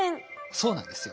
そうなんですよ。